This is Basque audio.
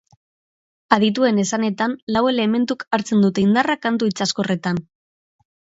Adituen esanetan lau elementuk hartzen dute indarra kantu itsaskorretan.